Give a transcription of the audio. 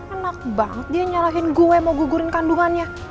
enak banget dia nyalahin gue mau gugurin kandungannya